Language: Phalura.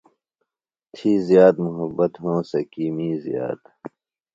تھی زِیات محبت ہونسہ کی می زیات۔